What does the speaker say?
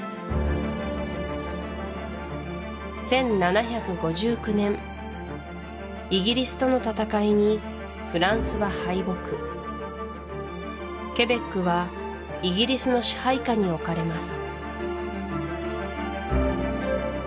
１７５９年イギリスとの戦いにフランスは敗北ケベックはイギリスの支配下に置かれます